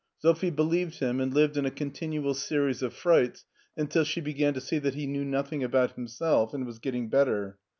Sophie believed him, and lived in a continual series of frights until she began to see that he knew nothing about him self and was getting better.